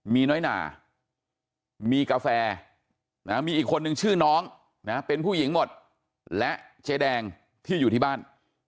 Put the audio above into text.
มีน้อยหนามีกาแฟมีอีกคนนึงชื่อน้องนะเป็นผู้หญิงหมดและเจ๊แดงที่อยู่ที่บ้าน